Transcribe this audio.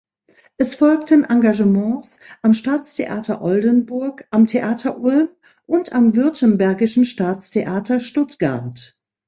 Es folgten Engagements am Staatstheater Oldenburg, am Theater Ulm und am Württembergischen Staatstheater Stuttgart.